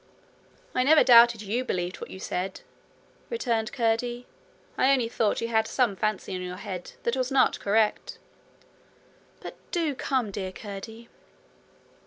'I never doubted you believed what you said,' returned Curdie. 'I only thought you had some fancy in your head that was not correct.' 'But do come, dear Curdie.'